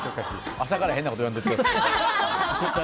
朝から変なこと言わんでください。